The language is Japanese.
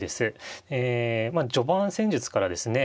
え序盤戦術からですね